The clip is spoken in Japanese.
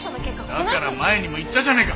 だから前にも言ったじゃねえか。